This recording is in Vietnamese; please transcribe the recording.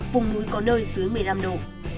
vùng núi có nơi dưới một mươi năm độ